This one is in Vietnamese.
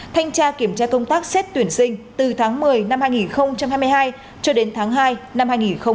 thanh tra kiểm tra công tác xét tuyển sinh từ tháng một mươi năm hai nghìn hai mươi hai cho đến tháng hai năm hai nghìn hai mươi